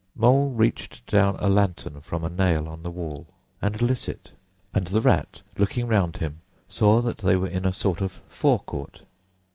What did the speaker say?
Mole reached down a lantern from a nail on the wall and lit it... and the Rat, looking round him, saw that they were in a sort of fore court.